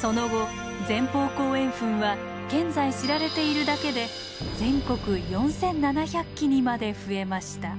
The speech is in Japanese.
その後前方後円墳は現在知られているだけで全国４，７００基にまで増えました。